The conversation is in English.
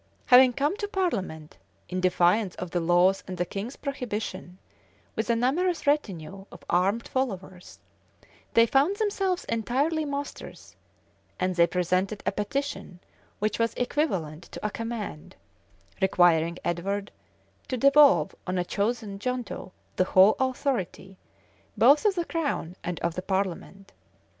Having come to parliament, in defiance of the laws and the king's prohibition, with a numerous retinue of armed followers, they found themselves entirely masters; and they presented a petition which was equivalent to a command, requiring Edward to devolve on a chosen junto the whole authority, both of the crown and of the parliament.